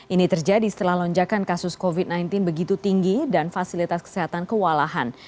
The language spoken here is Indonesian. ini terjadi setelah lonjakan kasus covid sembilan belas begitu tinggi dan fasilitas kesehatan kewalahan